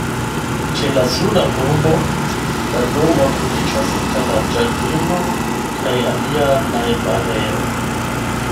Ĉe la suda muro, la domo troviĝas inter la ĝardeno kaj alia najbarejo.